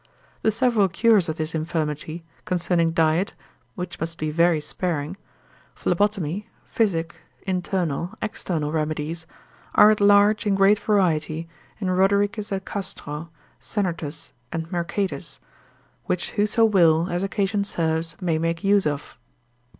The several cures of this infirmity, concerning diet, which must be very sparing, phlebotomy, physic, internal, external remedies, are at large in great variety in Rodericus a Castro, Sennertus, and Mercatus, which whoso will, as occasion serves, may make use of.